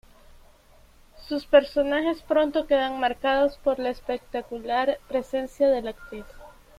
Sus personajes pronto quedan marcados por la espectacular presencia de la actriz.